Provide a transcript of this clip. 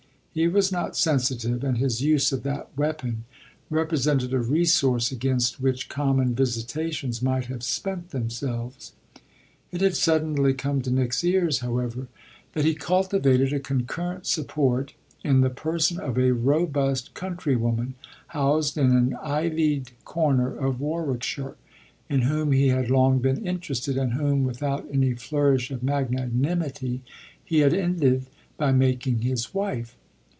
He was not sensitive, and his use of that weapon represented a resource against which common visitations might have spent themselves. It had suddenly come to Nick's ears, however, that he cultivated a concurrent support in the person of a robust countrywoman, housed in an ivied corner of Warwickshire, in whom he had long been interested and whom, without any flourish of magnanimity, he had ended by making his wife.